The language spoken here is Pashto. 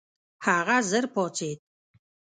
هغه ژر پاڅېد.